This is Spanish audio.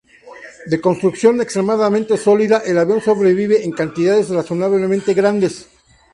De construcción extremadamente sólida, el avión sobrevive en cantidades razonablemente grandes.